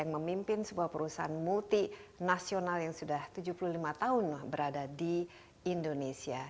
yang memimpin sebuah perusahaan multi nasional yang sudah tujuh puluh lima tahun berada di indonesia